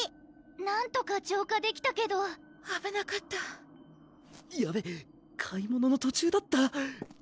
なんとか浄化できたけどあぶなかったやべ買い物の途中だった！